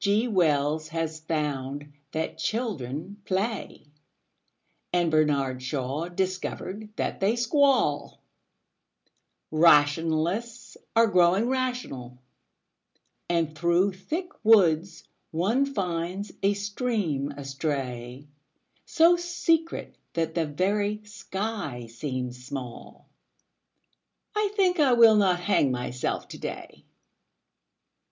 G. Wells has found that children play, And Bernard Shaw discovered that they squall; Rationalists are growing rational And through thick woods one finds a stream astray, So secret that the very sky seems small I think I will not hang myself to day.